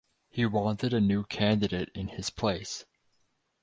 He wanted a new candidate in his place.